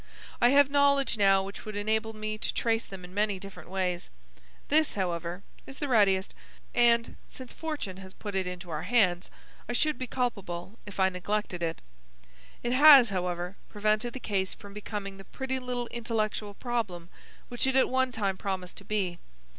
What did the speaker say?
I have knowledge now which would enable me to trace them in many different ways. This, however, is the readiest and, since fortune has put it into our hands, I should be culpable if I neglected it. It has, however, prevented the case from becoming the pretty little intellectual problem which it at one time promised to be.